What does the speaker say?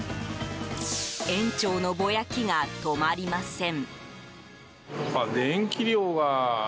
園長のぼやきが止まりません。